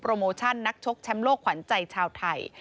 โมชั่นนักชกแชมป์โลกขวัญใจชาวไทย